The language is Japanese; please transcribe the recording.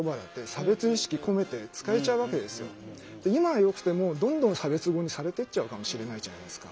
今はよくてもどんどん差別語にされてっちゃうかもしれないじゃないですか。